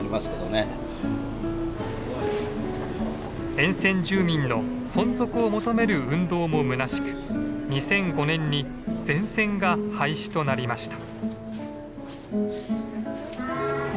沿線住民の存続を求める運動もむなしく２００５年に全線が廃止となりました。